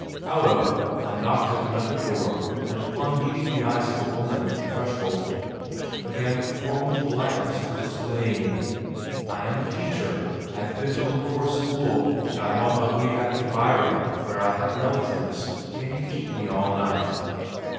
However, I knocked at another door and upon meeting the eyes of the woman at the threshold, began with formal politeness to explain, "I am a teacher, I have been to look for a school, and I am on my way back to Byron, where I have relatives. Can you keep me all night?"